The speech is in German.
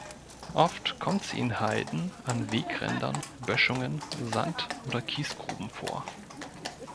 Oft kommt sie in Heiden, an Wegrändern, Böschungen, Sand- oder Kiesgruben vor.